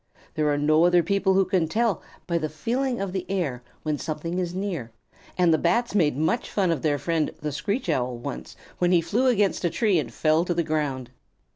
There are no other people who can tell by the feeling of the air when something is near, and the Bats made much fun of their friend, the Screech Owl, once, when he flew against a tree and fell to the ground.